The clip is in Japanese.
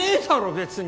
別に。